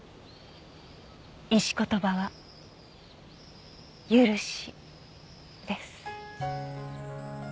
石言葉は「許し」です。